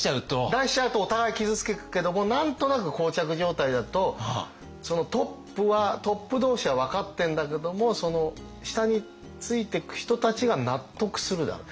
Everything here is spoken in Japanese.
出しちゃうとお互い傷つくけども何となく膠着状態だとそのトップはトップ同士は分かってんだけどもその下についてく人たちが納得するだろう。